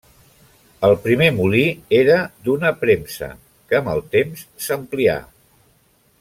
El primer molí era d'una premsa que amb el temps s'amplià.